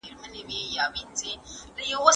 بد مې د هيچا کړي نه دي